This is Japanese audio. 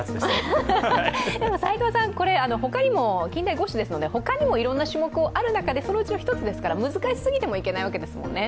でも斎藤さん、近代五種ですから他にもいろいろな種目がある中で、そのうちの１つですから難しすぎてもいけないわけですよね。